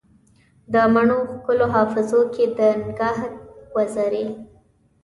د مڼو ښکلو حافظو کې دنګهت وزرې